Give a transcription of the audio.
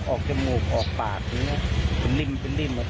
ออกจมูกออกปากเป็นริ่มเป็นริ่ม